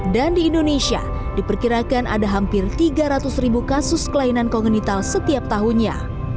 dan di indonesia diperkirakan ada hampir tiga ratus ribu kasus kelainan kongenital setiap tahunnya